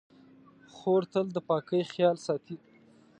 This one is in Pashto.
خور تل د پاکۍ خیال ساتي.